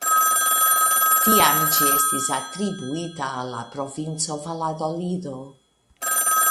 Tiam ĝi estis atribuita al la provinco Valadolido.